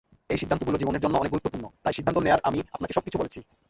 এই সিদ্ধান্তগুলো জীবনের জন্য অনেক গুরুত্বপুর্ণ, তাই সিদ্ধান্ত নেয়ার আমি আপনাকে সবকিছু বলছি।